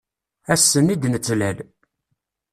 Ass-n i d-nettlal.